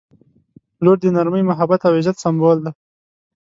• لور د نرمۍ، محبت او عزت سمبول دی.